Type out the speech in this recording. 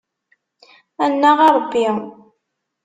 Annaɣ a Ṛebbi!